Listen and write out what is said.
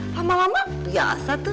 lama lama biasa tuh